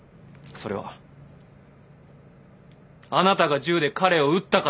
それはあなたが銃で彼を撃ったからです。